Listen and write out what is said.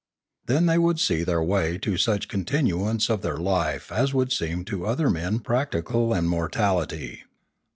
Then would they see their way to such continuance of their life as would seem to other men practical im mortality.